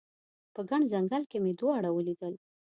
په ګڼ ځنګل کې مې دواړه ولیدل